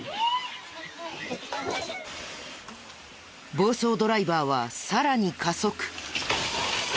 暴走ドライバーはさらに加速。